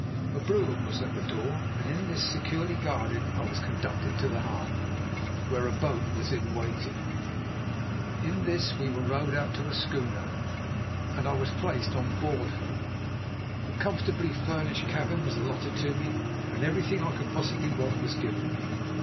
A brougham was at the door and in this, securely guarded, I was conducted to the harbour, where a boat was in waiting. In this we were rowed out to a schooner, and I was placed on board her. A comfortably furnished cabin was allotted to me, and everything I could possibly want was given me.